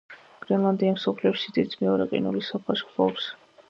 გრენლანდია მსოფლიოში სიდიდით მეორე ყინულის საფარს ფლობს.